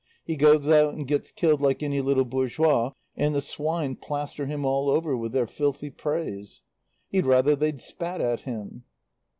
He goes out and gets killed like any little bourgeois, and the swine plaster him all over with their filthy praise. He'd rather they'd spat on him."